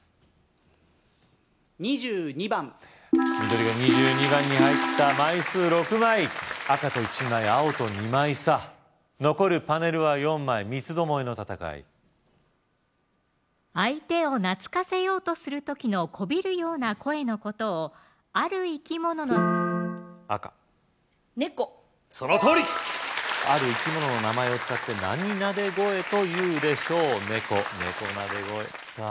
２２番緑が２２番に入った枚数６枚赤と１枚青と２枚差残るパネルは４枚三つどもえの戦い相手を懐かせようとする時のこびるような声のことをある生き物の赤猫そのとおりある生き物の名前を使って何なで声というでしょう猫猫なで声さぁ